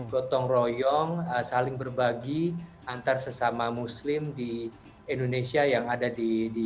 gotong royong saling berbagi antar sesama muslim di indonesia yang ada di